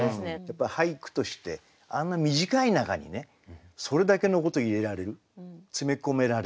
やっぱり俳句としてあんな短い中にねそれだけのこと入れられる詰め込められる。